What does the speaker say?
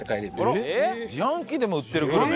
自販機でも売ってるグルメ？